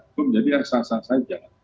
itu menjadi sah sah saja